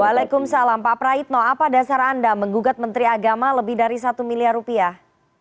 waalaikumsalam pak praitno apa dasar anda menggugat menteri agama lebih dari satu miliar rupiah